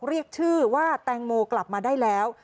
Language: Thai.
เรียกชื่อว่าแตงโมกลับมาได้แล้ว